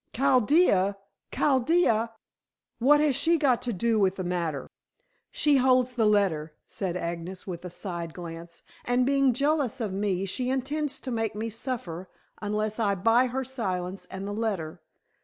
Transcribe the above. "Chaldea! Chaldea! What has she got to do with the matter?" "She holds the letter," said Agnes with a side glance. "And being jealous of me, she intends to make me suffer, unless I buy her silence and the letter.